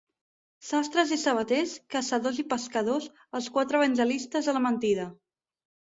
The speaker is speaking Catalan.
Sastres i sabaters, caçadors i pescadors, els quatre evangelistes de la mentida.